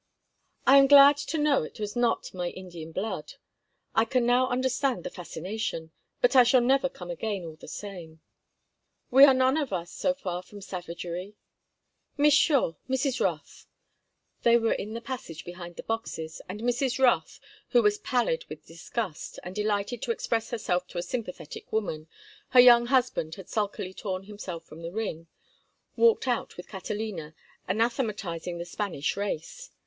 "I am glad to know it was not my Indian blood. I can now understand the fascination, but I shall never come again, all the same." "We are none of us so far from savagery—Miss Shore, Mrs. Rothe." They were in the passage behind the boxes, and Mrs. Rothe, who was pallid with disgust and delighted to express herself to a sympathetic woman—her young husband had sulkily torn himself from the ring—walked out with Catalina anathematizing the Spanish race.